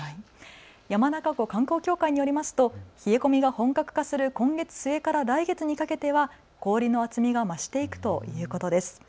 山中湖観光協会によりますと冷え込みが本格化する今月末から来月にかけては氷の厚みが増していくということです。